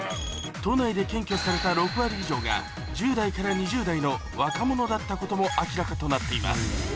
都内で検挙された６割以上が１０代から２０代の若者だったことも明らかとなっています